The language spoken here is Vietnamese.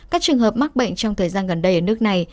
các trường hợp mắc bệnh trong thời gian gần đây ở nước này